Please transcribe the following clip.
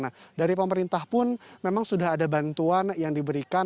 nah dari pemerintah pun memang sudah ada bantuan yang diberikan